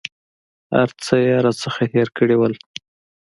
هر څه یې راڅخه هېر کړي وه.